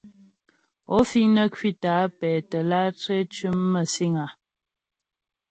Ó fíŋ nə́ ŋkwítə́ á pɛ́tə́ látré ntʉ́mə məsìŋ áá ?